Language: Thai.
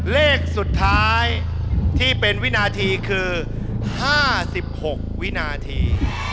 เลขสุดท้ายที่เป็นวินาทีคือ๕๖วินาที